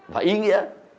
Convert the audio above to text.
và ý nghĩa